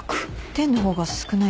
「天」の方が少ないですね。